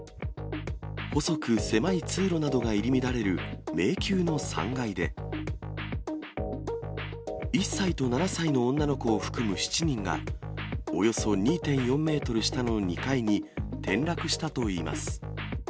細く狭い通路などが入り乱れる迷宮の３階で、１歳と７歳の女の子を含む７人が、およそ２．４メートル下の２階に転落したといいます。